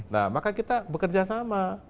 nah maka kita bekerjasama